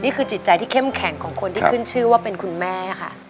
จิตใจที่เข้มแข็งของคนที่ขึ้นชื่อว่าเป็นคุณแม่ค่ะ